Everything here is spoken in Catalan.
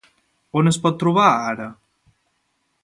On es pot trobar, ara?